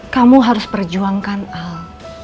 kamu harus perjuangkan al